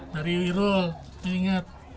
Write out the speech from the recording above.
dari wirul ingat